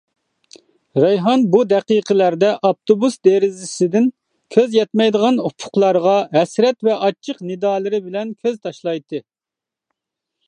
رەيھان بۇ دەقىقىلەردە ئاپتوبۇس دېرىزىسىدىن كۆز يەتمەيدىغان ئۇپۇقلارغا ھەسرەت ۋە ئاچچىق نىدالىرى بىلەن كۆز تاشلايتتى.